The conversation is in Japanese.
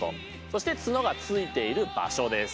そして角が付いている場所です。